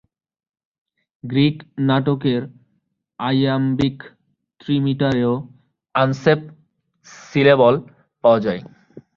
Greek নাটকের iambic ত্রিমিটারেও আনসেপ সিলেবল পাওয়া যায়।